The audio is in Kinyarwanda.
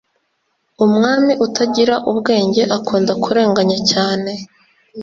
umwami utagira ubwenge akunda kurenganya cyane